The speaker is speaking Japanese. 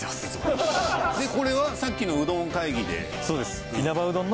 でこれはさっきのうどん会議で。